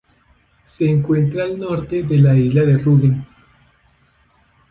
Se encuentra al norte de la isla de Rügen.